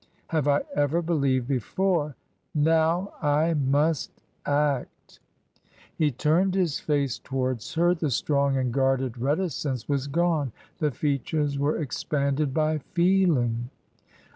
Have I ever believed before ? Now I must act !" He turned his face towards her ; the strong and guarded reticence was gone ; the features were expanded by feel ing.